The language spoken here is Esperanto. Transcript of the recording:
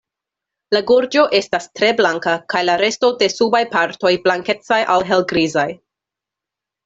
La gorĝo estas tre blanka kaj la resto de subaj partoj blankecaj al helgrizaj.